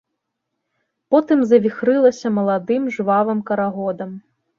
Потым завіхрылася маладым, жвавым карагодам.